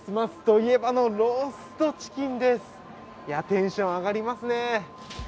いや、テンション上がりますね。